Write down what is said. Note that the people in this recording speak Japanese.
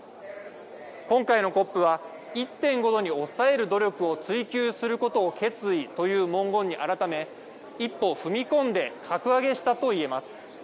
今回のＣＯＰは１．５度に抑える努力を追求することを決意という文言に改め、一歩踏み込んで格上げしたといえます。